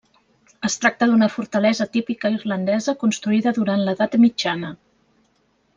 Es tracta d'una fortalesa típica irlandesa construïda durant l'edat mitjana.